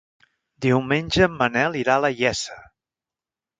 Diumenge en Manel irà a la Iessa.